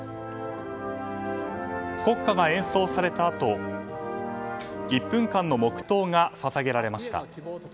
国歌が演奏されたあと１分間の黙祷が捧げられました。